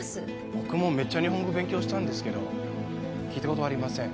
僕もめっちゃ日本語勉強したんですけど聞いたことありません